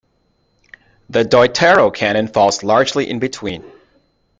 The Deuterocanon falls largely in between.